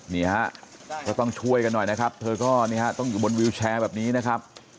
นี่ฮะก็ต้องช่วยกันหน่อยนะครับเธอก็นี่ฮะต้องอยู่บนวิวแชร์แบบนี้นะครับ